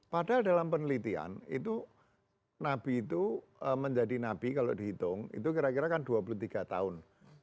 padahal dalam penelitian itu nabi itu menjadi nabi kalau dihitung itu kira kira kan dua puluh tiga tahun